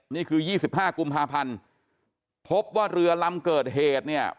๒๕กุมภาพันธ์พบว่าเรือลำเกิดเหตุเนี่ย